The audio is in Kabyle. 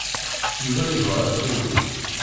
Yuba yebɣa ad t-yawi.